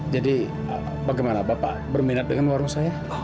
jadi bagaimana bapak berminat dengan warung saya